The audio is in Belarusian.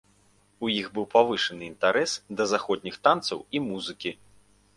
У іх быў павышаны інтарэс да заходніх танцаў і музыкі.